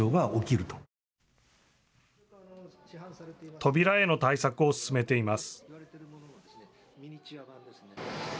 扉への対策を勧めています。